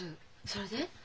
それで？